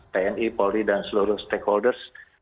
tni polri dan seluruh stakeholders